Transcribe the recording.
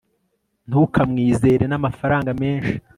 ntukamwizere namafaranga menshi